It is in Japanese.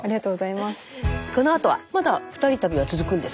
このあとはまだ２人旅は続くんですか？